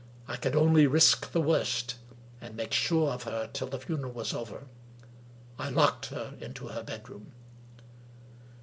I could only risk the worst, and make sure of her till the funeral was over. I locked her into her bed room.